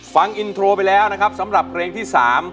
ฟังอินโทรไปแล้วนะครับสำหรับเพลงที่๓